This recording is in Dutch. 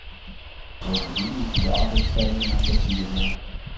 Bovendien moeten de arbeidstijden dan flexibel zijn.